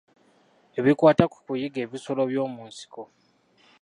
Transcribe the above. Ebikwata ku kuyigga ebisolo byomunsiko.